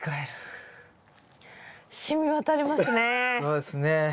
そうですね。